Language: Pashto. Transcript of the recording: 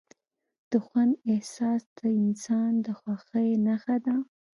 د خوند احساس د انسان د خوښۍ نښه ده.